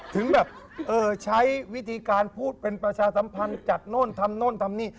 ถึงแบบเออใช้วิธีการพูดเป็นประชาสัมพันธ์จัดโน่นทำโน่นทำนี่